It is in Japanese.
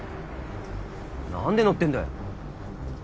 何で乗ってんだよ？